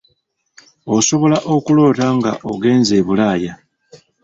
Osobola okuloota nga ogenze Bulaaya.